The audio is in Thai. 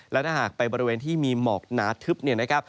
และถ้าหากไปบริเวณที่มีหมอกหนาทึบเนี่ยนะครับ